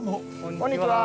こんにちは。